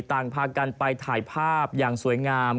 ต่างพากันไปถ่ายภาพอย่างสวยงาม